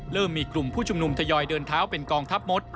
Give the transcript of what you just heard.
มีกลุ่มผู้ชุมนุมทยอยเดินเท้าเป็นกองทัพมด